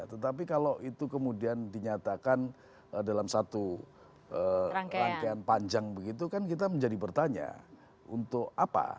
tetapi kalau itu kemudian dinyatakan dalam satu rangkaian panjang begitu kan kita menjadi bertanya untuk apa